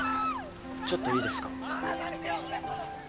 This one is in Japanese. ちょっといいですか？